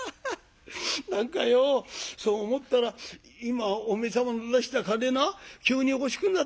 何かようそう思ったら今お前様が出した金な急に欲しくなったぞ。